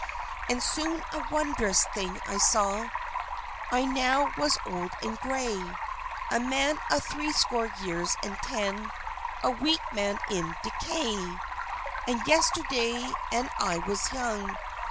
And soon a wondrous thing I saw; I now was old and gray, A man of threescore years and ten, A weak man in decay! And yesterday, and I was young!